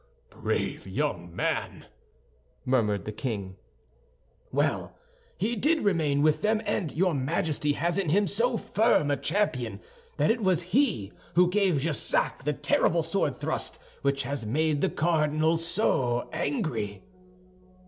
"Brave young man!" murmured the king. "Well, he did remain with them; and your Majesty has in him so firm a champion that it was he who gave Jussac the terrible sword thrust which has made the cardinal so angry."